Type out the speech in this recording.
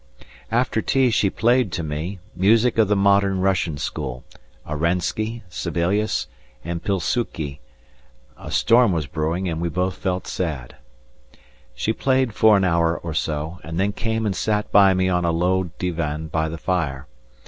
After tea she played to me, music of the modern Russian school Arensky, Sibelius and Pilsuki; a storm was brewing and we both felt sad. She played for an hour or so, and then came and sat by me on a low divan by the fire.